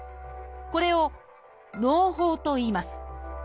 これを「のう胞」といいます。